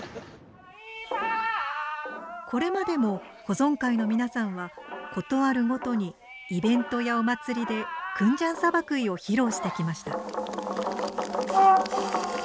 これまでも保存会の皆さんは事あるごとにイベントやお祭りで「国頭サバクイ」を披露してきました。